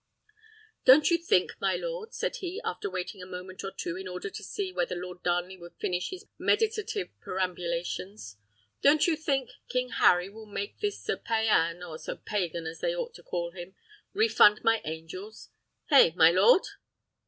"Don't you think, my lord," said he, after waiting a moment or two in order to see whether Lord Darnley would finish his meditative perambulations; "don't you think King Harry will make this Sir Payan, or Sir Pagan as they ought to call him, refund my angels? Hey! my lord?"